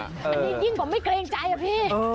อันนี้ยิ่งผมไม่เกรงใจอะพี่